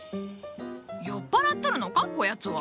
酔っ払っとるのかこやつは？